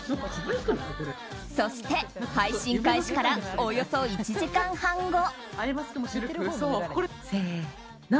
そして配信開始からおよそ１時間半後。